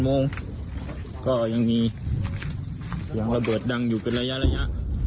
โมงก็ยังมีเสียงระเบิดดังอยู่เป็นระยะระยะ